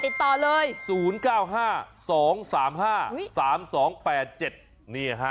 ติดต่อเลย๐๙๕๒๓๕๓๒๘๗นี่ฮะ